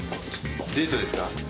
デートですか？